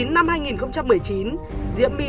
năm hai nghìn một mươi chín diễm my